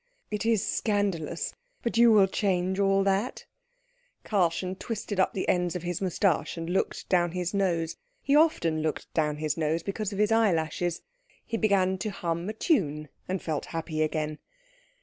"It is scandalous. But you will change all that." Karlchen twisted up the ends of his moustache and looked down his nose. He often looked down his nose because of his eyelashes. He began to hum a tune, and felt happy again.